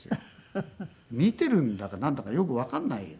見ているんだかなんだかよくわかんない。